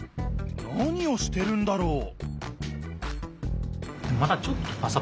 何をしてるんだろう？